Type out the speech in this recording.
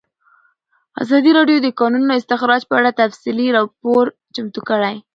ازادي راډیو د د کانونو استخراج په اړه تفصیلي راپور چمتو کړی.